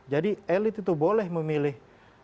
jadi elit itu boleh memilih